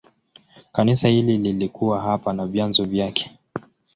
Kanisa hili lilikuwa hapa na vyanzo vyake.